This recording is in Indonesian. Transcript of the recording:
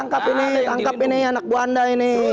tangkap ini tangkap ini anak bu anda ini